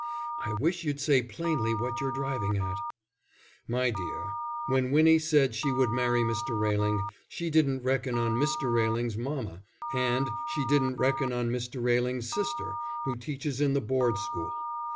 "I wish you'd say plainly what you're driving at." "My dear, when Winnie said she would marry Mr. Railing, she didn't reckon on Mr. Railing's mamma and she didn't reckon on Mr. Railing's sister who teaches in the Board School.